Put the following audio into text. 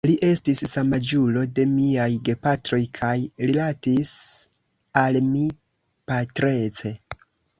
Li estis samaĝulo de miaj gepatroj kaj rilatis al mi patrece.